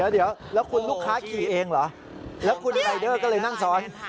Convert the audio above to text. เดี๋ยวแล้วคุณลูกค้าขี่เองเหรอแล้วคุณรายเดอร์ก็เลยนั่งซ้อน